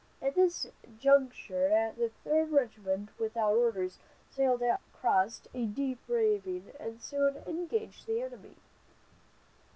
At this juncture the Third Regiment without orders, sallied out, crossed a deep ravine and soon engaged the enemy.